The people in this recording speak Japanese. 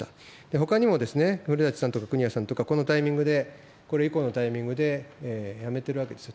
ほかにも、古館さんとか国谷さんとか、このタイミングでこれ以降のタイミングで辞めてるわけですよ。